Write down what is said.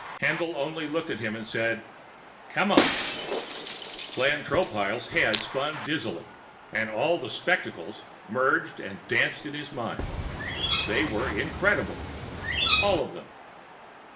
Haendl only looked at him and said: "Come on!" Glenn Tropile's head spun dizzily and all the spectacles merged and danced in his mind. They were incredible. All of them.